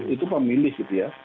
itu pemilih gitu ya